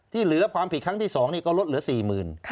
ที่เหลือความผิดครั้งที่สองนี่ก็ลดเหลือสี่หมื่น